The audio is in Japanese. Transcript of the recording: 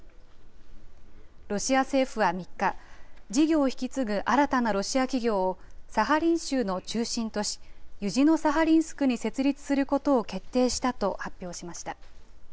ロシア政府は３日、事業を引き継ぐ新たなロシア企業を、サハリン州の中心都市ユジノサハリンスクに設立することを決定したと発表しました。